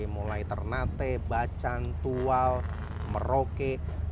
mulai ternate bacan tual merauke